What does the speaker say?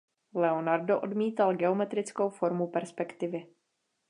Leonardo odmítal geometrickou formu perspektivy.